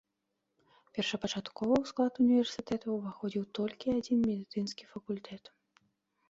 Першапачаткова ў склад універсітэта ўваходзіў толькі адзін медыцынскі факультэт.